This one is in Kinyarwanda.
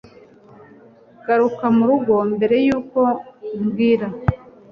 Garuka murugo mbere yuko bwira